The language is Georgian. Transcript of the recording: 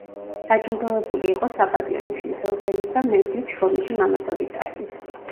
დაჯილდოვებული იყო „საპატიო ნიშნის“ ორდენით და მედლით „შრომითი მამაცობისათვის“.